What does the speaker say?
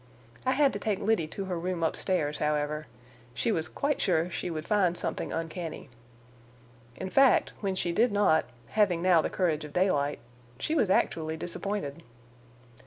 I had to take Liddy to her room up stairs, however,—she was quite sure she would find something uncanny. In fact, when she did not, having now the courage of daylight, she was actually disappointed.